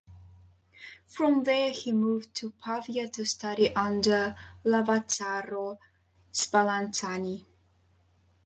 From there he moved to Pavia to study under Lazzaro Spallanzani.